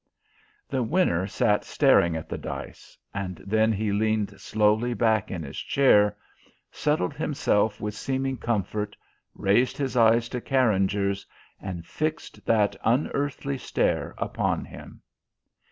The winner sat staring at the dice, and then he leaned slowly back in his chair, settled himself with seeming comfort, raised his eyes to Carringer's and fixed that unearthly stare upon him.